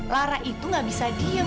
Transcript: lara itu nggak bisa diem